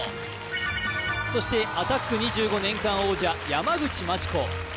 そして「アタック２５」年間王者山口真知子